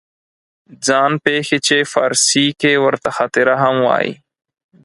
ځان پېښې چې فارسي کې ورته خاطره هم وایي